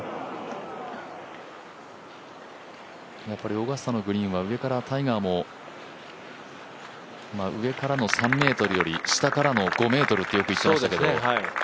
オーガスタのグリーンは上からタイガーも上からの３ｍより下からの５ｍってよく言ってましたけど。